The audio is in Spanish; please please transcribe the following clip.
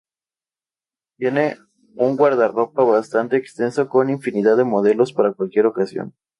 Tiene un guardarropa bastante extenso con infinidad de modelos para cualquier ocasión.